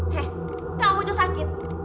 kalau mau jauh sakit